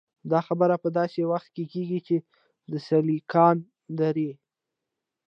دا خبرې په داسې وخت کې کېږي چې د 'سیليکان درې'.